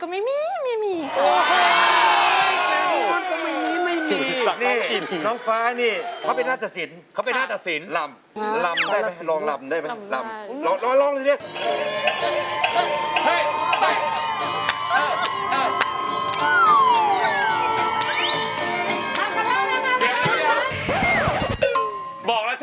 สาวก่อนเข้ามา